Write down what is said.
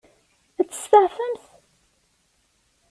Ad tt-tseɛfemt?